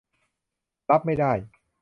รับไม่ได้